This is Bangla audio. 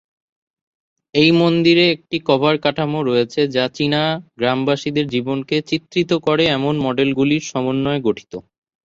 এই মন্দিরে একটি কভার কাঠামো রয়েছে যা চীনা গ্রামবাসীদের জীবনকে চিত্রিত করে এমন মডেলগুলির সমন্বয়ে গঠিত।